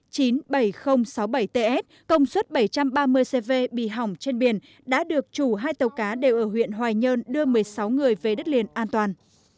chín mươi bảy nghìn sáu mươi bảy ts công suất bảy trăm ba mươi cv bị hỏng trên biển đã được chủ hai tàu cá đều ở huyện hoài nhơn đưa một mươi sáu người về đất liền an toàn